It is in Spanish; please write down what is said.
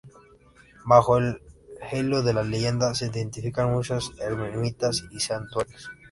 Bajo el halo de la leyenda se edifican muchas ermitas y santuarios.